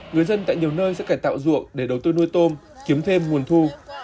người dân tại nhiều nơi sẽ cải tạo ruộng để đầu tư nuôi tôm kiếm thêm nguồn thu